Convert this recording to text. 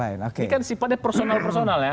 ini kan sifatnya personal personal ya